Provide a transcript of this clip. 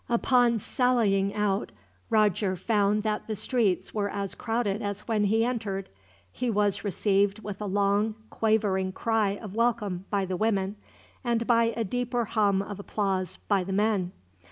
Upon sallying out, Roger found that the streets were as crowded as when he entered. He was received with a long quavering cry of welcome by the women, and by a deeper hum of applause by the men.